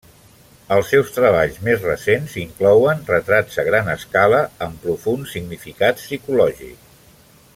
Els seus treballs més recents inclouen retrats a gran escala amb profund significat psicològic.